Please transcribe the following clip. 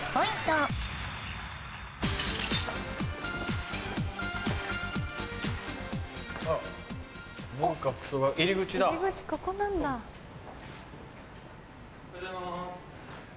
おはようございます。